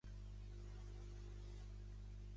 Vent de garbí en terra, de nit va a sopar amb sa mare.